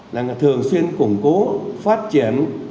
là người thường xuyên củng cố phát triển